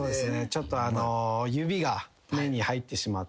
ちょっと指が目に入ってしまって。